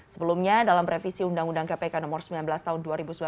sebelumnya dalam revisi undang undang kpk nomor sembilan belas tahun dua ribu sembilan belas